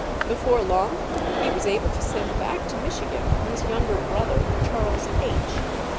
Before long he was able to send back to Michigan for his younger brother, Charles H.